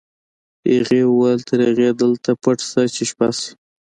هغې وویل تر هغې دلته پټ شه چې شپه شي